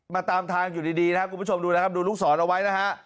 มาตามทางอยู่ดีนะครับคุณผู้ชมดูนะครับดูลูกศรเอาไว้นะฮะ